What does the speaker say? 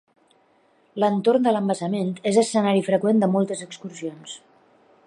L'entorn de l'embassament és escenari freqüent de moltes excursions.